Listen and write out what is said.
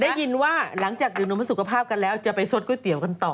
ได้ยินว่าหลังจากดื่มนมสุขภาพกันแล้วจะไปสดก๋วยเตี๋ยวกันต่อ